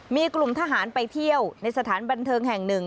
มีกลุ่มทหารไปเที่ยวในสถานบันเทิงแห่งหนึ่ง